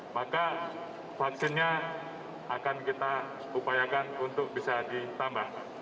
maka vaksinnya akan kita upayakan untuk bisa ditambah